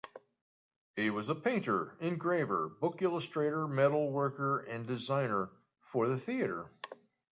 He was a painter, engraver, book illustrator, metal worker, and designer for the theater.